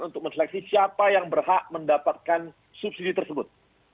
untuk menseleksi siapa yang berhak mendapatkan subsidi tersebut